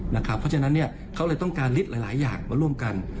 เพราะฉะนั้นเขาเลยต้องการฤทธิ์หลายอย่างมาร่วมกัน